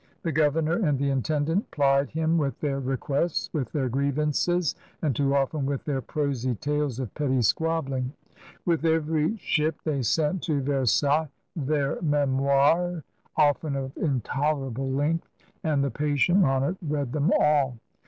The governor and the intendant plied him with their requests, with their grievances, and too often with their prosy tales of petty squabbling. With every ship they sent to Ver sailles their mhnoires^ often of intolerable length; THE AGE OF LOUIS QUATORZE 71 and the patient monarch read them all.